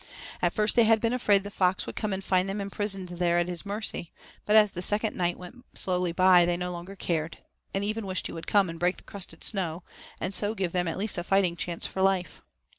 At first they had been afraid the fox would come and find them imprisoned there at his mercy, but as the second night went slowly by they no longer cared, and even wished he would come and break the crusted snow, and so give them at least a fighting chance for life.